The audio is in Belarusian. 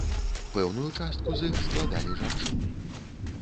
Пэўную частку з іх складалі жанчыны.